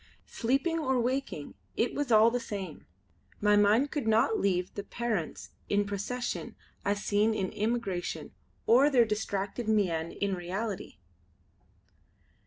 Sleeping or waking it was all the same; my mind could not leave the parents in procession as seen in imagination, or their distracted mien in reality.